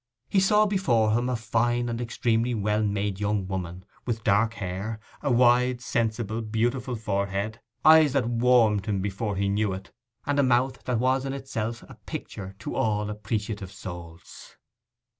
He saw before him a fine and extremely well made young woman, with dark hair, a wide, sensible, beautiful forehead, eyes that warmed him before he knew it, and a mouth that was in itself a picture to all appreciative souls.